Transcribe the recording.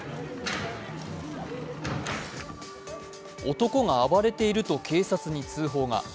男が暴れていると警察に通報が。